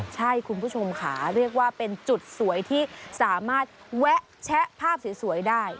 ใช่คุณผู้ชมค่ะเรียกว่าเป็นจุดสวยที่สามารถแวะแชะภาพสวยได้